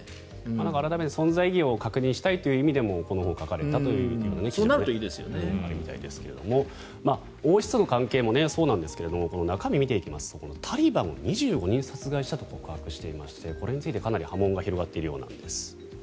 改めて存在意義を確認したという意味でもこの本を書かれたというのがあるみたいですが王室の関係もそうなんですが中身を見ていきますとタリバンを２５人殺害したと告白していましてこれについて、かなり波紋が広がっているようです。